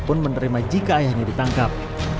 pun menerima jika ayahnya ditangkap